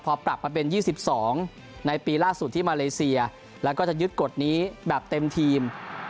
พอปรับมาเป็น๒๒ในปีล่าสุดที่มาเลเซียแล้วก็จะยึดกฎนี้แบบเต็มทีม